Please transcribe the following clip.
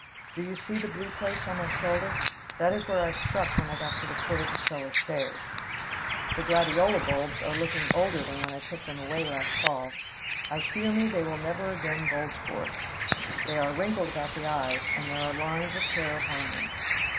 Do you see the blue place on my shoulder? That is where I struck when I got to the foot of the cellar stairs. The gladiola bulbs are looking older than when I put them away last fall. I fear me they will never again bulge forth. They are wrinkled about the eyes and there are lines of care upon them.